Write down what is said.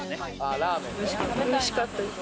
おいしかったです。